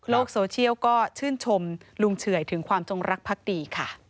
โซเชียลก็ชื่นชมลุงเฉื่อยถึงความจงรักพักดีค่ะ